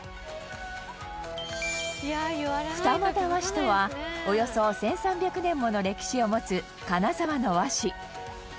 二俣和紙とはおよそ１３００年もの歴史を持つ金沢の和紙